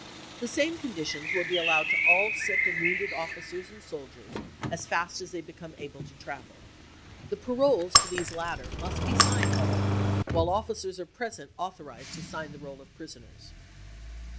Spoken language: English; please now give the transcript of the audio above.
The same conditions will be allowed to all sick and wounded officers and soldiers as fast as they w. r. become able to travel. The paroles for these latter must VpartXi.T" ^e signed, however, while officers are present authorized p 60 to sign the roll of prisoners.